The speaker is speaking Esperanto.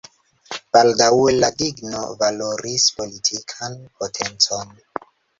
Baldaŭe la digno valoris politikan potencon.